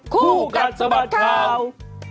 คู่กัดสะบัดข่าว